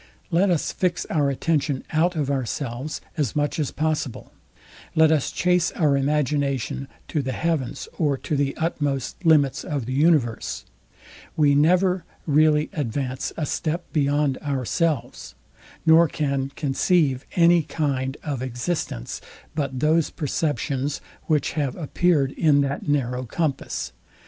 Let us fix our attention out of ourselves as much as possible: Let us chase our imagination to the heavens, or to the utmost limits of the universe; we never really advance a step beyond ourselves, nor can conceive any kind of existence, but those perceptions, which have appeared in that narrow compass.